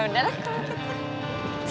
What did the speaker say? ya udah lah kalau gitu